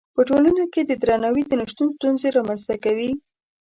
په ټولنه کې د درناوي نه شتون ستونزې رامنځته کوي.